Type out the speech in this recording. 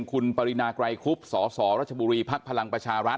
คุณปริณากรายครุบสหภรรษบุรีพรักพลังประชารัฐ